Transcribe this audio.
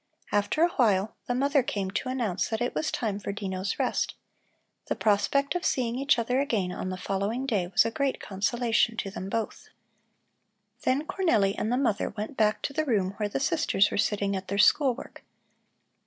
After a while the mother came to announce that it was time for Dino's rest. The prospect of seeing each other again on the following day was a great consolation to them both. Then Cornelli and the mother went back to the room where the sisters were sitting at their school work.